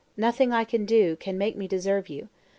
Nothing I can do can make me deserve you.